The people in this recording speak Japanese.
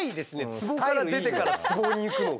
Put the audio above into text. つぼから出てからつぼに行くのが。